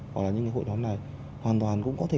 hoặc là những hội nhóm này hoàn toàn cũng có thể